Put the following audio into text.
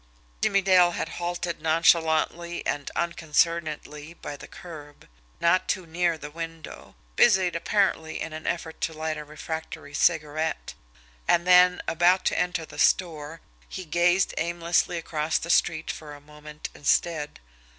Jimmie Dale had halted nonchalantly and unconcernedly by the curb, not too near the window, busied apparently in an effort to light a refractory cigarette; and then, about to enter the store, he gazed aimlessly across the street for a moment instead.